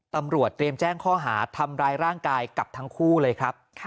ตำรวจเตรียมแจ้งข้อหาทำร้ายร่างกายกับทั้งคู่เลยครับ